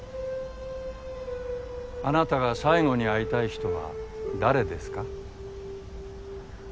あなたが最後に会いたい人は誰ですか？